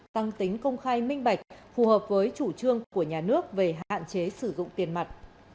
tăng tính công khai minh bạch phù hợp với chủ trương của nhà nước về hạn chế sử dụng tiền mặt